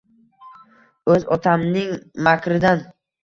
O’z otamning makridan